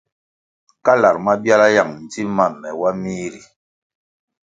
Kalar mabiala yang ndzim ma me wa mih ri.